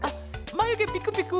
まゆげピクピク？